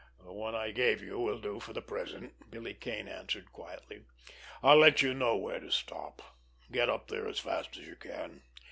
"The one I gave you will do for the present," Billy Kane answered quietly. "I'll let you know where to stop. Get up there as fast as you can.